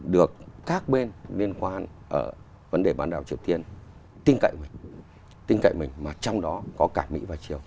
được các bên liên quan ở vấn đề bản đảo triều tiên tin cậy mình tin cậy mình mà trong đó có cả mỹ và triều